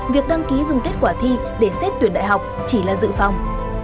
việc đăng ký dùng kết quả thi để xét tuyển đại học chỉ là dự phòng